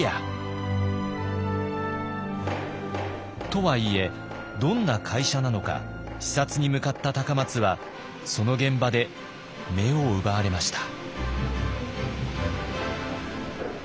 とはいえどんな会社なのか視察に向かった松はその現場で目を奪われました。